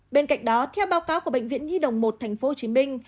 bên cạnh đó theo báo cáo của bệnh viện nhi đồng một thành phố hồ chí minh